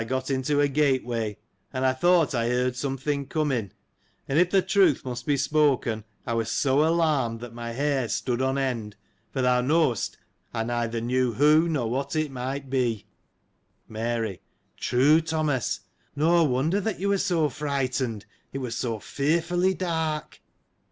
Here it was I got into a gate way, and I thought I heard something coming, and if the truth must be spoken, I was so alarmed, that my hair stood on end, for thou knowst I neither knew who, nor what it might be. Mary. — True, Thomas, no wonder that you were so frighten ed, it was so fearfully dark